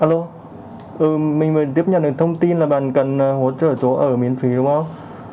alo mình mới tiếp nhận được thông tin là bạn cần hỗ trợ chỗ ở miễn phí đúng không